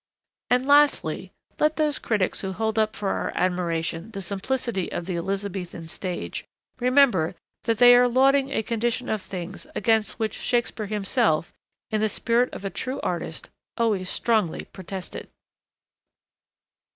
And lastly, let those critics who hold up for our admiration the simplicity of the Elizabethan Stage, remember that they are lauding a condition of things against which Shakespeare himself, in the spirit of a true artist, always strongly protested.